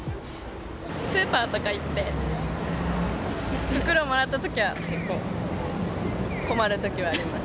スーパーとか行って、袋もらったときは、こう、困るときはあります。